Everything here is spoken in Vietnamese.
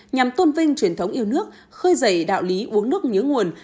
nhằm tôn vinh truyền thống yêu nước khơi dày đạo lý uống nước nhớ nguồn